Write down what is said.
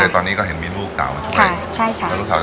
ตอนนี้เห็นมีลูกเสาร์คุณช่วย